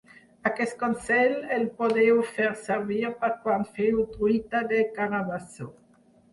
Aquest consell el podeu fer servir per quan feu truita de carabassó.